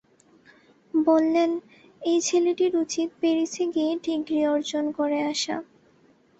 বললেন, এ ছেলেটির উচিত প্যারিসে গিয়ে ডিগ্রি অর্জন করে আসা।